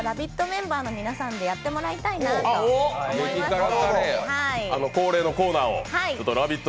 メンバーの皆さんでやってもらいたいなと思いまして。